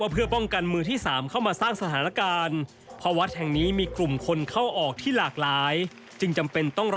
เพื่อป้องกันมือที่๓เข้ามาสร้างสถานการณ์